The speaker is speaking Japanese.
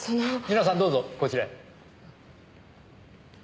皆さんどうぞこちらへ。